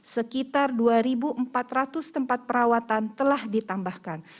sekitar dua empat ratus tempat perawatan telah ditambahkan